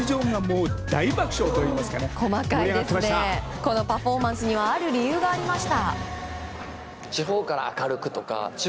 このパフォーマンスにはある理由がありました。